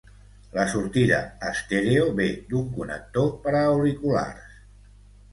La sortida estèreo ve d'un connector per a auriculars.